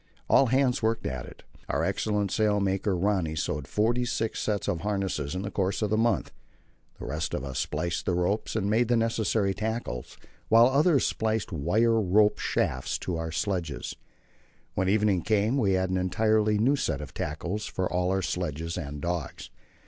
All hands worked at it. Our excellent sailmaker, Rönne, sewed forty six sets of harness in the course of the month. The rest of us spliced the ropes and made the necessary tackles, while others spliced wire rope shafts to our sledges. When evening came we had an entirely new set of tackle for all our sledges and dogs.